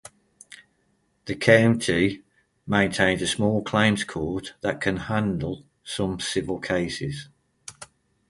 The county maintains a small claims court that can handle some civil cases.